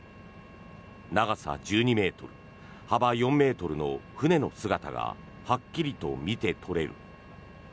長さ１２ｍ、幅４ｍの船の姿がはっきりと見て取れる。